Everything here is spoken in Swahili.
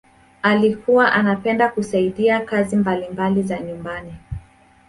alikuwa anapenda kusaidia kazi mbalimbali za nyumbani